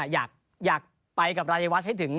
อยากไปกับรายวัฒนให้ถึง